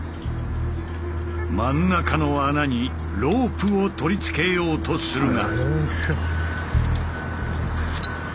真ん中の穴にロープをとりつけようとするが。